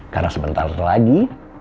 karena sebentar lagi